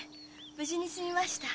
無事にすみました。